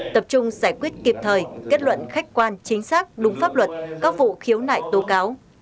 tập trung giải quyết kịp thời kết luận khách quan chính xác đúng pháp luật các vụ khiếu nại tố cáo